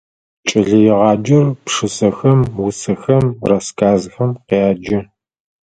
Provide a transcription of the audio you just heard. Кӏэлэегъаджэр пшысэхэм, усэхэм, рассказхэм къяджэ.